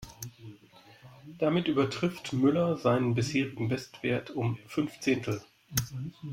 Damit übertrifft Müller seinen bisherigen Bestwert um fünf Zehntel.